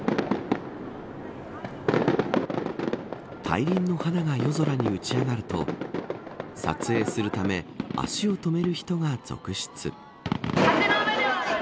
大輪の花が夜空に打ち上がると撮影するため足を止める人が続出。